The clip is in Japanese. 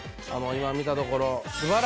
今見たところ。